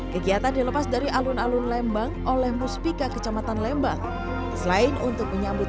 kegiatan dilepas dari alun alun lembang oleh musbika kecamatan lembang selain untuk menyambut